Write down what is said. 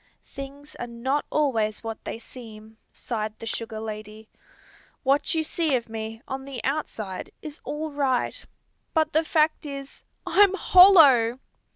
"Things are not always what they seem," sighed the sugar lady. "What you see of me, on the outside, is all right; but the fact is, _I'm hollow!